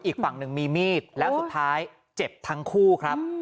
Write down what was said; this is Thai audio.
อีกฝั่งหนึ่งมีมีดแล้วสุดท้ายเจ็บทั้งคู่ครับ